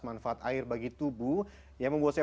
manfaat air bagi tubuh yang membuat saya